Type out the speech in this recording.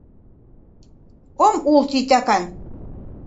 Ом ул титакан